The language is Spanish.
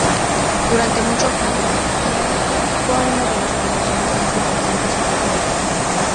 Durante muchos años Hummel fue uno de los profesores más importantes y costosos.